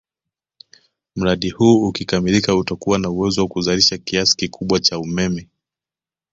Mradi huu ukikamilika utakuwa na uwezo wa kuzalisha kiasi kikubwa cha umeme